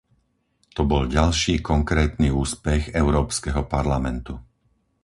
To bol ďalší konkrétny úspech Európskeho parlamentu.